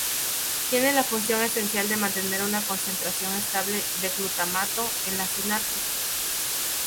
Tiene la función esencial de mantener una concentración estable de glutamato en las sinapsis.